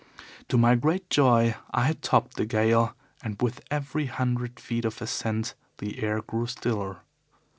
To my great joy I had topped the gale, and with every hundred feet of ascent the air grew stiller.